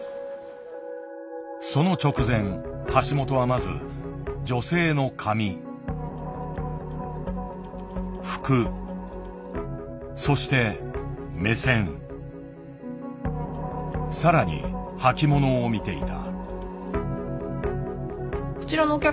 その直前橋本はまず女性の髪服そして目線さらに履き物を見ていた。